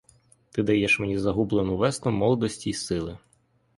Ти даєш мені загублену весну молодості й сили.